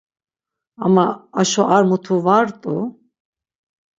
Ama aşo ar mutu va rt̆u.